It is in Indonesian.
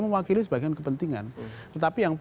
mewakili sebagian kepentingan tetapi yang